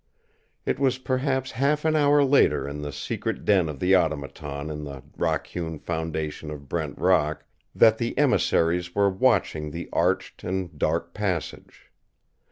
It was perhaps half an hour later in the secret den of the Automaton in the rock hewn foundation of Brent Rock that the emissaries were watching the arched and dark passage.